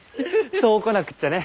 そうこなくっちゃね。